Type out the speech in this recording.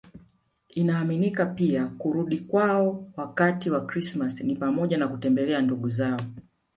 Inaaminika pia kuwa kurudi kwao wakati wa Krismasi ni pamoja na kutembelea ndugu zao